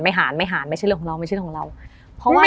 ไม่หาญไม่ใช่เรื่องของเราน่ะ